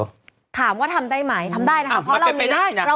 สภถามว่าทำได้ไหมทำได้นะคะ